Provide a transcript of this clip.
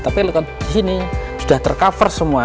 tapi lihat disini sudah tercover semua